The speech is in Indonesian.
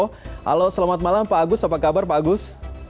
halo selamat malam pak agus apa kabar pak agus